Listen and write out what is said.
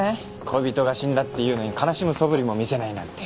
恋人が死んだっていうのに悲しむそぶりも見せないなんて。